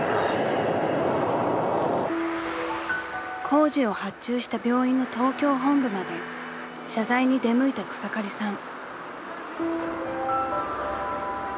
［工事を発注した病院の東京本部まで謝罪に出向いた草刈さん］